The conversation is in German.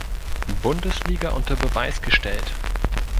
Bundesliga unter Beweis gestellt.